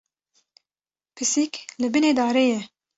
Pisîk li binê darê ye.